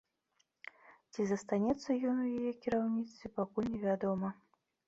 Ці застанецца ён у яе кіраўніцтве, пакуль невядома.